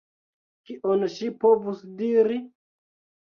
Kion ŝi povus diri?